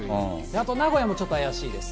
あと名古屋もちょっと怪しいです。